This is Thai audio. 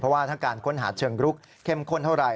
ว่าถ้าการค้นหาเชิงรุกเข้มข้นเท่าไห